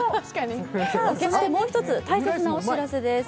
もう一つ大切なお知らせです。